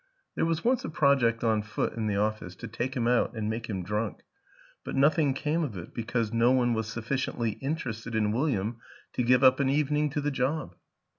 There was once a project on foot in the office to take him out and make him drunk but nothing came of it because no one was sufficiently interested in William to give up an evening to the job.